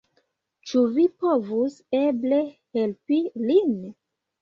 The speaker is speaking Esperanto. Ĉu vi povus eble helpi lin?